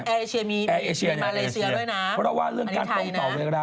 แอร์เอเชียมีมาเลเซียด้วยนะอันนี้ไทยนะเพราะเราว่าเรื่องการตรงต่อเวลา